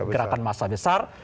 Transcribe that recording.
gerakan masa besar